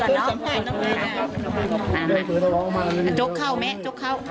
ลมจะ